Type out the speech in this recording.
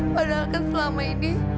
padahal kan selama ini